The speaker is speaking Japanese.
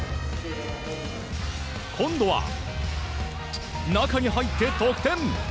今度は、中に入って得点！